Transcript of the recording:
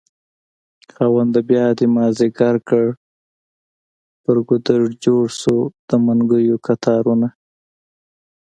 خاونده بيادی مازد يګر کړ په ګودر جوړشو دمنګيو کتارونه